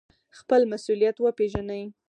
خپل مسوولیت وپیژنئ